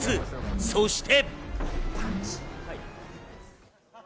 そして。